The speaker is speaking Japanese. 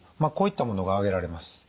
こういったものが挙げられます。